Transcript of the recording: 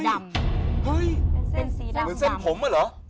เห้ยเหมือนเส้นผมอะเหรอ